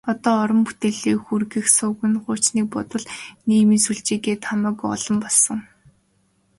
Одоо уран бүтээлээ хүргэх суваг нь хуучныг бодвол нийгмийн сүлжээ гээд хамаагүй олон болсон.